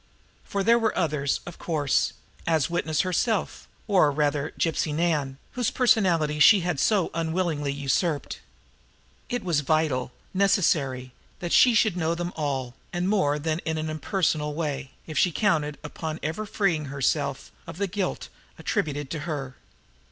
For there were others, of course, as witness herself, or, rather, Gypsy Nan, whose personality she had so unwillingly usurped. It was vital, necessary, that she should know them all, and more than in that impersonal way, if she counted upon ever freeing herself of the guilt attributed to her.